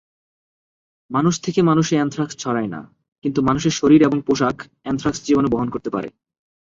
মানুষ থেকে মানুষে অ্যানথ্রাক্স ছড়ায় না, কিন্তু মানুষের শরীর এবং পোশাক অ্যানথ্রাক্স জীবাণু বহন করতে পারে।